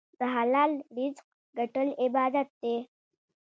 د حلال رزق ګټل عبادت دی.